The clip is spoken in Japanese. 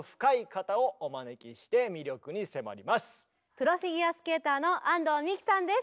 プロフィギュアスケーターの安藤美姫さんです。